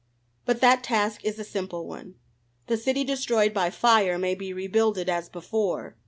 But that task is a simple one. The city destroyed by fire may be rebuilded as before.